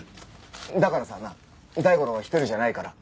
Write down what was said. だからさなあ大五郎は一人じゃないから。